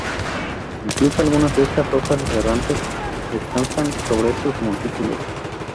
Incluso, algunas de estas rocas errantes descansan sobre estos montículos.